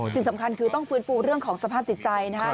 สิ่งสำคัญคือต้องฟื้นฟูเรื่องของสภาพจิตใจนะครับ